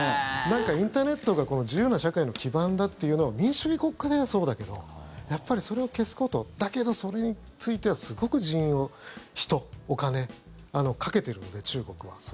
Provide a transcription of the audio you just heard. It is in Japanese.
なんかインターネットが自由な社会の基盤だというのは民主主義国家ではそうだけどやっぱりそれを消すことだけど、それについてはすごく人員を人、お金かけてるので中国は。